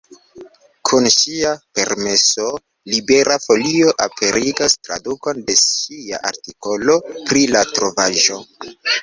Kun ŝia permeso, Libera Folio aperigas tradukon de ŝia artikolo pri la trovaĵo.